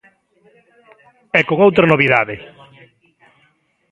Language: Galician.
E con outra novidade.